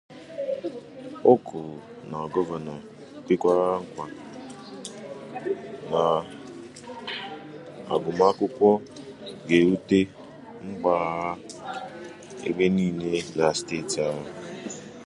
O kwuru na Gọvanọ kwekwàrà nkwà na agụmakwụkwọ ga-erute mpaghara ebe niile na steeti ahụ